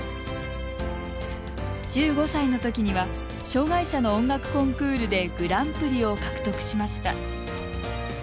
１５歳のときには障がい者の音楽コンクールでグランプリを獲得しました。